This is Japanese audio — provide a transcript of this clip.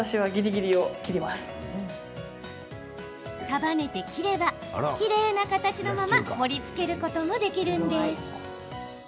束ねて切ればきれいな形のまま盛りつけることもできるんです。